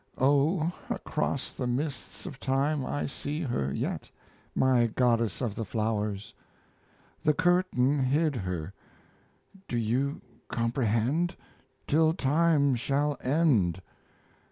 O, Across the mists of time I see her yet, My Goddess of the Flowers! ... The curtain hid her.... Do you comprehend? Till time shall end!